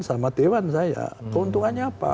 sama dewan saya keuntungannya apa